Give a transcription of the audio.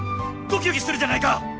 ドキドキするじゃないか！